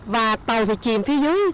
và tàu thì chìm phía dưới